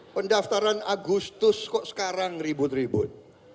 pendaftaran agustus kok sekarang ribut ribut